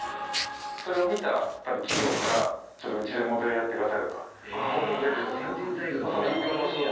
それを見た企業から「ちょっとうちでモデルやってください」とか「広告出てください」とか。